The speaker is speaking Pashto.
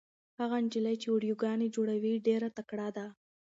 هغه نجلۍ چې ویډیوګانې جوړوي ډېره تکړه ده.